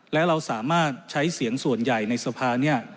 และเราสามารถใช้เสียงส่วนใหญ่ในสภาเนี่ย